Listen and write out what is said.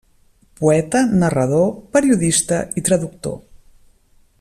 Poeta, narrador, periodista i traductor.